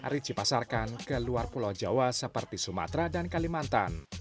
rici pasarkan ke luar pulau jawa seperti sumatera dan kalimantan